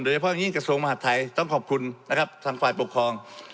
เฉพาะอย่างกระทรวงมหาดไทยต้องขอบคุณนะครับทางฝ่ายปกครอง